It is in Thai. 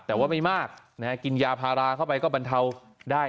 แต่ว่าไม่มากนะฮะกินยาพาราเข้าไปก็บรรเทาได้